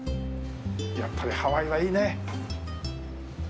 やっぱりハワイはいいね。